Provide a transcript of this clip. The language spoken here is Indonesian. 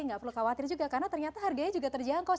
nggak perlu khawatir juga karena ternyata harganya juga terjangkau